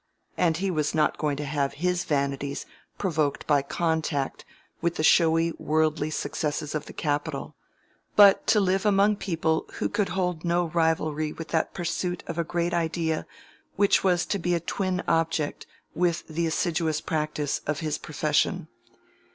And he was not going to have his vanities provoked by contact with the showy worldly successes of the capital, but to live among people who could hold no rivalry with that pursuit of a great idea which was to be a twin object with the assiduous practice of his profession.